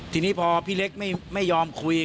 ทีนี้พอพี่เล็กไม่ยอมคุย